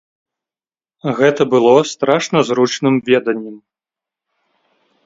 Гэта было страшна зручным веданнем.